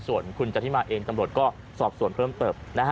ส่วนคุณจันทิมาเองตำรวจก็สอบส่วนเพิ่มเติม